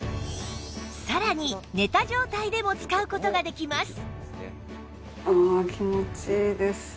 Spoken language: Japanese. さらに寝た状態でも使う事ができます